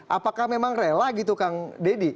apakah memang rela gitu kang deddy